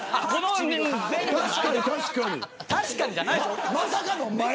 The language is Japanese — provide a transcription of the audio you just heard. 確かに、じゃないです。